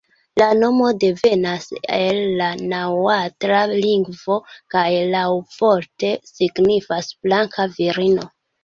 La nomo devenas el la naŭatla lingvo kaj laŭvorte signifas "blanka virino".